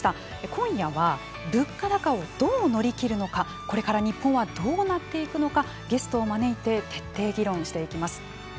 今夜は物価高をどう乗り切るのかこれから日本はどうなっていくのかゲストを招いて徹底議論していきます。